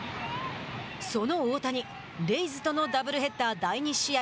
その大谷、レイズとのダブルヘッダー第２試合。